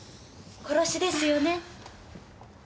殺しですよね？